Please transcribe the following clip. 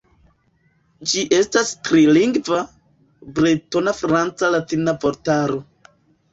Ĝi estas tri-lingva, bretona-franca-latina vortaro.